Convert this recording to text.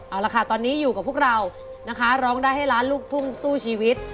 เอาละค่ะตอนนี้อยู่กับพวกเรานะคะร้องได้ให้ล้านลูกทุ่งสู้ชีวิต